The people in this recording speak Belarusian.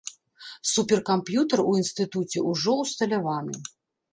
Суперкамп'ютар у інстытуце ўжо ўсталяваны.